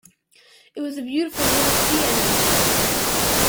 It was a beautiful little sea-anemone.